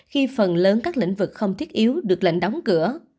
khi phần lớn các lĩnh vực không thiết yếu được lệnh đóng cửa